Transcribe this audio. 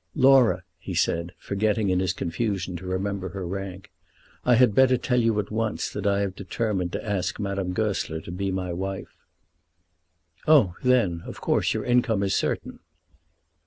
"Laura," he said, forgetting in his confusion to remember her rank, "I had better tell you at once that I have determined to ask Madame Goesler to be my wife." "Oh, then; of course your income is certain."